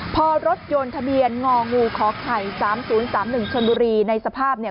พอรถยนต์ทะเบียนงองูขอไข่๓๐๓๑ชนบุรีในสภาพเนี่ย